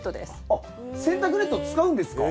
あっ洗濯ネット使うんですか？